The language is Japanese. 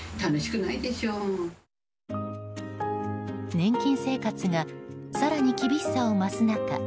年金生活が更に厳しさを増す中